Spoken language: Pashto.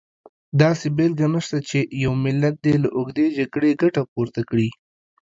داسې بېلګه نشته چې یو ملت دې له اوږدې جګړې ګټه پورته کړي.